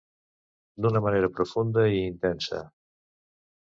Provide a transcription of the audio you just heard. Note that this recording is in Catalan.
D’una manera profunda i intensa.